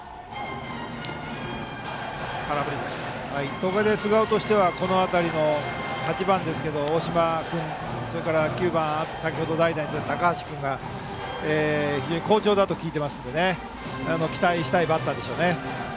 東海大菅生としてはこの辺り、８番ですが大島君、それから９番の先ほど代打に出た高橋君が非常に好調だと聞いていますので期待したいバッターでしょうね。